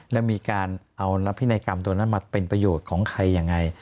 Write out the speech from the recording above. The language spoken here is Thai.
และมีการเอานักพินัยกรรมตัวนั้นมาเป็นประโยชน์ของใครยังไง